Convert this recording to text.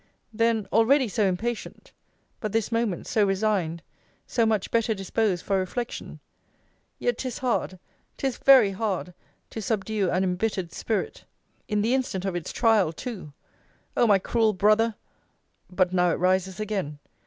Then, already so impatient! but this moment so resigned, so much better disposed for reflection! yet 'tis hard, 'tis very hard, to subdue an embittered spirit! in the instant of its trial too! O my cruel brother! but now it rises again.